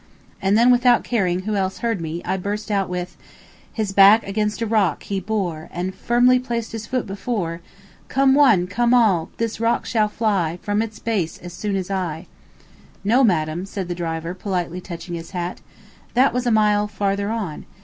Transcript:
And then without caring who else heard me, I burst out with: "'His back against a rock he bore, And firmly placed his foot before: "Come one, come all! This rock shall fly From its firm base as soon as I."'" "No, madam," said the driver, politely touching his hat, "that was a mile farther on.